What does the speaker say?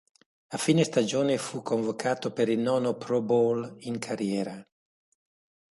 A fine stagione fu convocato per il nono Pro Bowl in carriera.